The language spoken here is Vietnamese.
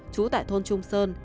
chú tại thôn trung sơn